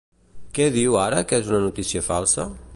Què diu ara que és una notícia falsa?